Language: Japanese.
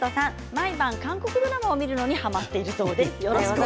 毎晩、韓国ドラマを見るのにはまっているそうです。